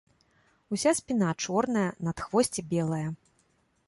Уся спіна чорная, надхвосце белае.